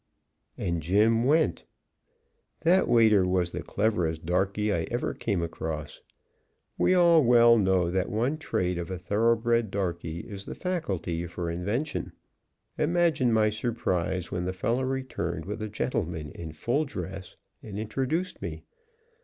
And Jim went. That waiter was the cleverest darkey I ever came across. We all well know that one trait of a thoroughbred darkey is the faculty for invention. Imagine my surprise when the fellow returned with a gentleman in full dress and introduced me.